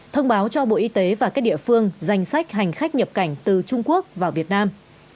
thông báo cho bộ y tế và các địa phương danh sách hành khách nhập cảnh từ trung quốc vào việt nam